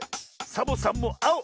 サボさんもあお！